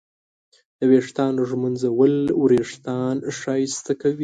د ویښتانو ږمنځول وېښتان ښایسته کوي.